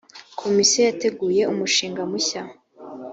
komisiyo yateguye umushinga mushya.